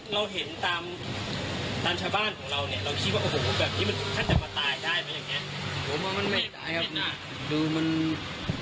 เราเห็นตามชาวบ้านของเราเนี่ยเราคิดว่าโอ้โหแบบนี้มันค่อนข้างจะมาตายได้ไหมอย่างเนี่ย